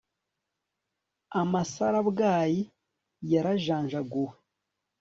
amasarabwayi yarajanjaguwe